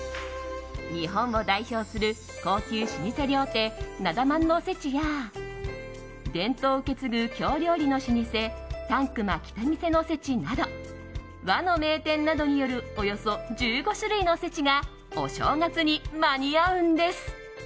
日本を代表する高級老舗料亭なだ万のおせちや伝統を受け継ぐ京料理の老舗たん熊北店のおせちなど和の名店などによるおよそ１５種類のおせちがお正月に間に合うんです。